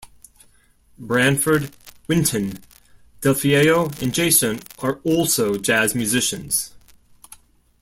Branford, Wynton, Delfeayo, and Jason are also jazz musicians.